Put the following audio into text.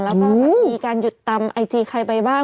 แล้วก็แบบมีการหยุดตามไอจีใครไปบ้าง